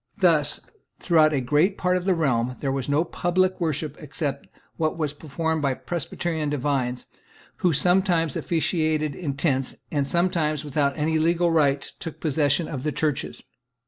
Thus, throughout a great part of the realm, there was no public worship except what was performed by Presbyterian divines, who sometimes officiated in tents, and sometimes, without any legal right, took possession of the churches.